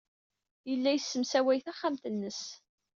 Yella yessemsaway taxxamt-nnes.